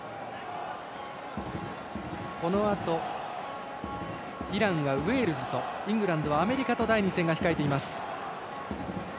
このあとイランはウェールズとイングランドはアメリカと第２戦を控えています。